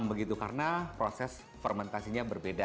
begitu karena proses fermentasinya berbeda